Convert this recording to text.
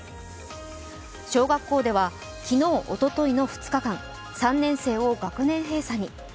小学校では昨日、おとといの２日間３年生を学年閉鎖に。